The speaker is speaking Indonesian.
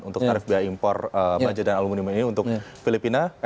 untuk tarif biaya impor baja dan aluminium ini untuk filipina